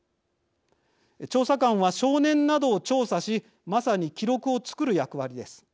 調査官は少年などを調査しまさに記録を作る役割です。